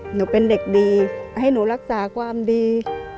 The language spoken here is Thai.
หนูเป็นเด็กดีให้หนูรักษาความดี